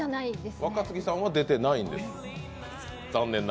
若槻さんは残念ながら出てないんです。